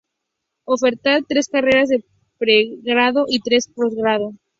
Ofertar tres carreras de pregrado y tres postgrado.